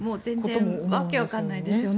もう訳がわからないですよね。